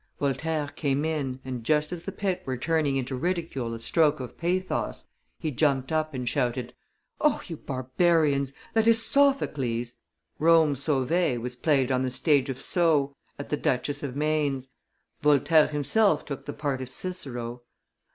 Voltaire came in, and, just as the pit were turning into ridicule a stroke of pathos, he jumped up, and shouted, 'O, you barbarians; that is Sophocles!' Rome Sauvee was played on the stage of Sceaux, at the Duchess of Maine's; Voltaire himself took the part of Cicero.